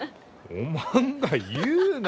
おまんが言うな！